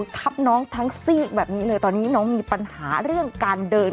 ทับน้องทั้งซีกแบบนี้เลยตอนนี้น้องมีปัญหาเรื่องการเดิน